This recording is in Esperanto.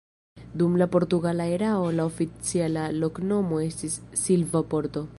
Dum la portugala erao la oficiala loknomo estis Silva Porto.